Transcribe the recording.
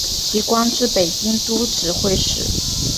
其官至北京都指挥使。